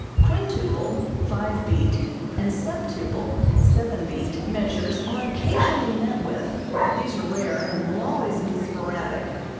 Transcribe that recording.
Quintuple (five beat) and septuple (seven beat) measures are occasionally met with, but these are rare and will always be sporadic.